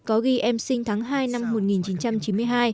có ghi em sinh tháng hai năm một nghìn chín trăm chín mươi hai